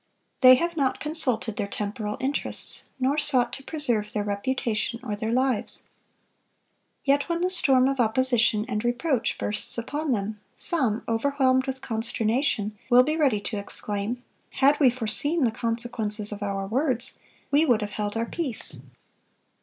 They have not consulted their temporal interests, nor sought to preserve their reputation or their lives. Yet when the storm of opposition and reproach bursts upon them, some, overwhelmed with consternation, will be ready to exclaim, "Had we foreseen the consequences of our words, we would have held our peace."